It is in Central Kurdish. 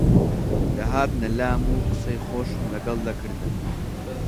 دەهاتنە لام و قسەی خۆشم لەگەڵ دەکردن